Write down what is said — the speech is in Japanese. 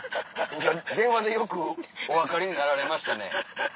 電話でよくお分かりになられましたね。